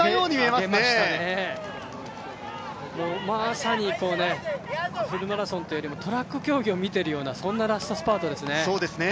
まさにフルマラソンというよりもトラック競技を見ているような、そんなラストスパートですね。